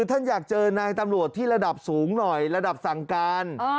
ท่านอยากเจอนายตำรวจที่ระดับสูงหน่อยระดับสั่งการ